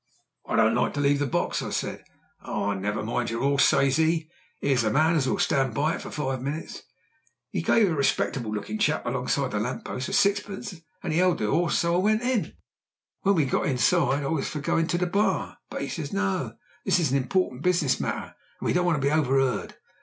'I don't like to leave the box,' I said. 'Oh, never mind your horse,' says he. ''Ere's a man as will stand by it for five minutes.' He gave a respectable lookin' chap, alongside the lamp post, a sixpence, and he 'eld the 'orse; so in I went. When we got inside I was for goin' to the bar, but 'e says, 'No. This is an important business matter, and we don't want to be over'eard.'